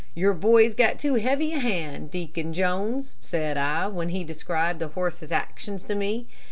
'Your boy's got too heavy a hand, Deacon Jones,' said I, when he described the horse's actions to me.